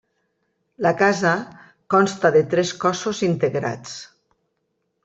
La casa consta de tres cossos integrats.